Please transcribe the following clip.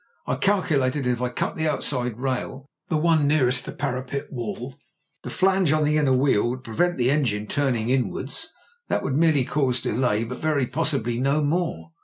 I calculated that if I cut the outside rail — ^the one nearest the parapet wall — the flange on the inner wheel would prevent the en gine turning inwards. That would merely cause de lay, but very possibly no more.